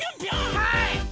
はい！